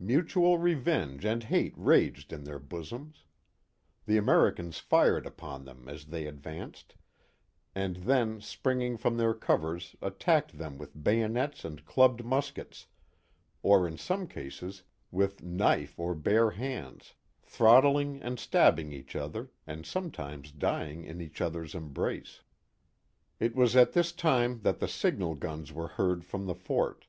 Mutual revenge and hate raged in ' their bosoms. The Americans fired upon them as they ad vanced, and then springing from their covers attacked them with bayonets and clubbed muskets, or in some cases with knife or bare hands, throttling and stabbing each other, and sometimes dying in each other's embrace. It was at thi^ time that the signal guns were heard from the fort.